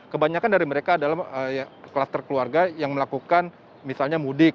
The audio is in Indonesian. kebanyakan dari mereka adalah kluster keluarga yang melakukan misalnya mudik